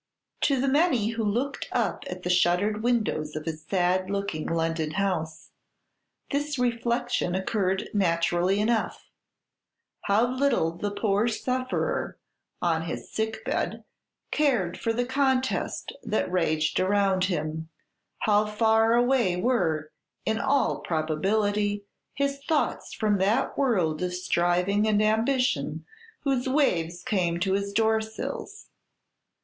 To the many who looked up at the shuttered windows of his sad looking London house, this reflection occurred naturally enough, How little the poor sufferer, on his sick bed, cared for the contest that raged around him; how far away were, in all probability, his thoughts from that world of striving and ambition whose waves came to his door sills.